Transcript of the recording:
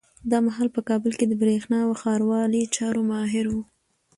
دا مهال په کابل کي د برېښنا او ښاروالۍ چارو ماهر